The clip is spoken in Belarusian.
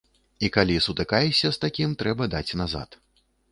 І калі сутыкаешся з такім, трэба даць назад.